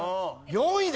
４位。